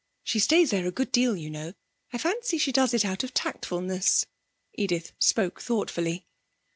She stays there a good deal, you know. I fancy she does it out of tactfulness.' Edith spoke thoughtfully.